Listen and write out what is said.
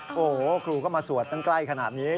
โอ้โหครูก็มาสวดตั้งใกล้ขนาดนี้